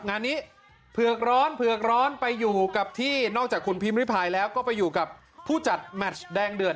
งานนี้เผือกร้อนเผือกร้อนไปอยู่กับที่นอกจากคุณพิมริพายแล้วก็ไปอยู่กับผู้จัดแมชแดงเดือด